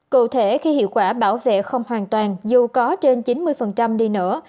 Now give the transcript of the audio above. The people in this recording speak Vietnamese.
cụ thể khi hiệu quả bảo vệ không hoàn toàn dù có trên chín mươi đi nữa